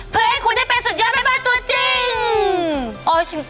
เพื่อให้คุณได้เป็นสุดยอดแม่บ้านตัวจริง